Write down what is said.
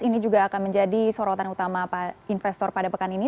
ini juga akan menjadi sorotan utama investor pada pekan ini